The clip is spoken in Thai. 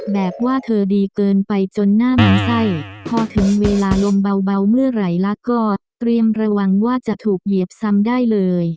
แบบว่าเธอดีเกินไปจนหน้าลำไส้พอถึงเวลาลมเบาเมื่อไหร่แล้วก็เตรียมระวังว่าจะถูกเหยียบซ้ำได้เลย